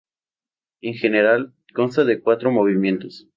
En general, consta de cuatro movimientos.